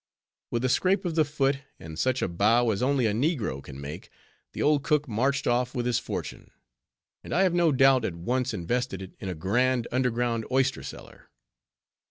With a scrape of the foot, and such a bow as only a negro can make, the old cook marched off with his fortune; and I have no doubt at once invested it in a grand, underground oyster cellar.